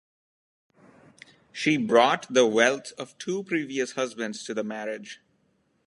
She brought the wealth of two previous husbands to the marriage.